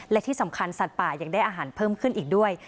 และที่สำคัญสัตว์ป่ายังได้อาหารเพิ่มขึ้นอีกด้วย